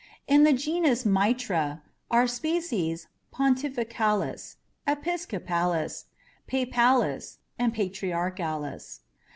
In the genus MITRA are species PONTIFICALIS, EPISCOPALIS, PAPALIS, and PATRIARCHALIS.